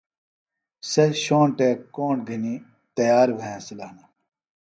سےۡ شونٹے کونٹ گھِنیۡ تیار بھےۡ ہِنسِلہ ہِنہ